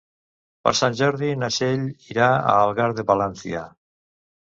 Per Sant Jordi na Txell irà a Algar de Palància.